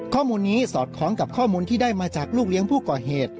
ข้อมูลนี้สอดคล้องกับข้อมูลที่ได้มาจากลูกเลี้ยงผู้ก่อเหตุ